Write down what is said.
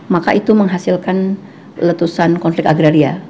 maka itu menghasilkan letusan konflik agraria